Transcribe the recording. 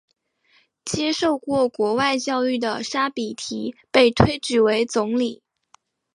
接受过国外教育的沙比提被推举为总理。